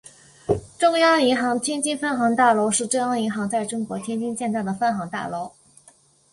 中央银行天津分行大楼是中央银行在中国天津建造的分行大楼。